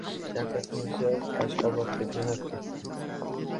Shavkat Mirziyoyev Ashxobodga jo‘nab ketdi